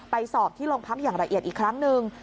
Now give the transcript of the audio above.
สอบที่โรงพักอย่างละเอียดอีกครั้งหนึ่ง